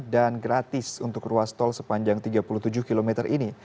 dan gratis untuk ruas tol sepanjang tiga puluh tujuh km ini